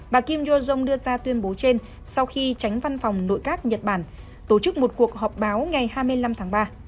bà kim jong đưa ra tuyên bố trên sau khi tránh văn phòng nội các nhật bản tổ chức một cuộc họp báo ngày hai mươi năm tháng ba